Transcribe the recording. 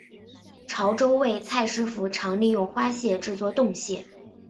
潮洲味菜师傅常利用花蟹制作冻蟹。